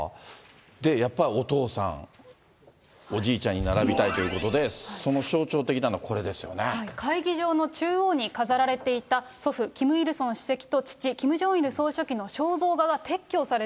やっぱりお父さん、おじいちゃんに並びたいということで、そ会議場の中央に飾られていた、祖父、キム・イルソン主席と父、キム・ジョンイル総書記の肖像画が撤去